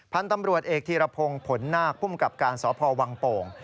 พันธุ์ตำรวจเอกธีรพงศ์ผลนาคภูมิกับการสพวังโป่ง